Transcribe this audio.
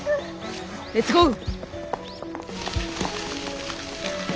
レッツゴー！